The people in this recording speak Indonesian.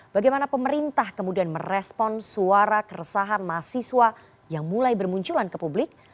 bagaimana pemerintah kemudian merespon suara keresahan mahasiswa yang mulai bermunculan ke publik